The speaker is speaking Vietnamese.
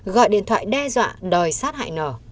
gọi điện thoại đe dọa đòi sát hại n